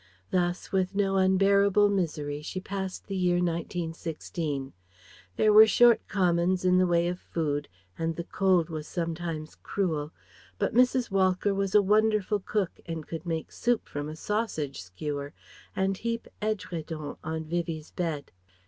Thus, with no unbearable misery, she passed the year 1916. There were short commons in the way of food, and the cold was sometimes cruel. But Madame Walcker was a wonderful cook and could make soup from a sausage skewer, and heaped édredons on Vivie's bed.